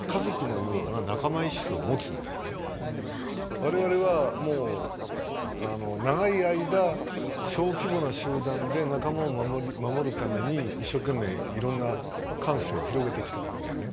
我々はもう長い間小規模な集団で仲間を守るために一生懸命いろんな感性を広げてきたわけだよね。